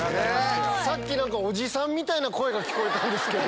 さっきおじさんみたいな声が聞こえたんですけど。